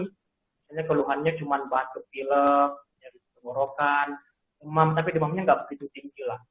sebenarnya keluhannya cuma batuk gilek jadi tenggorokan emam tapi emamnya nggak begitu tinggi lah